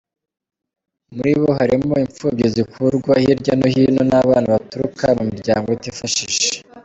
Muri bo harimo imfubyi zikurwa hirya no hino n’abana baturuka mu miryango itifashije.